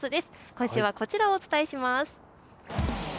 今週はこちらをお伝えします。